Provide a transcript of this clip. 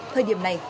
thời điểm này